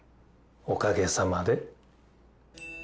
おかげさまで。